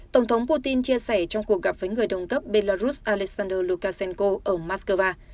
tổng thống putin chia sẻ trong cuộc gặp với người đồng cấp belarus alexander lukashenko ở mắc cơ va